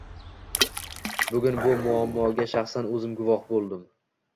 Bugun bu muammoga shaxsan oʻzim guvoh boʻldim.